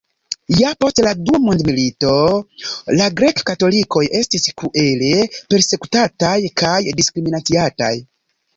Ja post la dua mondmilito la grek-katolikoj estis kruele persekutataj kaj diskriminaciataj.